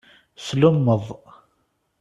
Slummeḍ.